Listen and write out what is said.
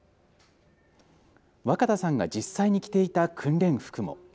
若田さんが実際に着ていた訓練服も。